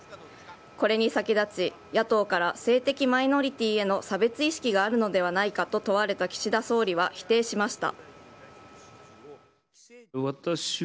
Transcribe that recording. これに先立ち、野党から性的マイノリティーへの差別意識があるのではないかと問われた岸田総理は否定しました。